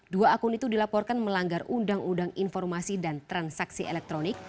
dua akun itu dilaporkan melanggar undang undang informasi dan transaksi elektronik